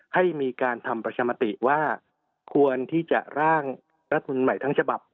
ให้มีการทำประชามติว่าควรที่จะร่างรัฐมนุนใหม่ทั้งฉบับ